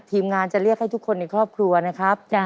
ทีมงานจะเรียกให้ทุกคนในครอบครัวนะครับ